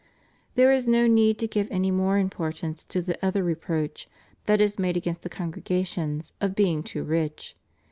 There is no need to give any more importance to the other reproach that is made against the congregations, of being too rich.